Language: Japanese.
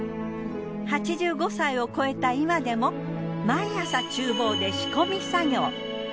８５歳を超えた今でも毎朝厨房で仕込み作業。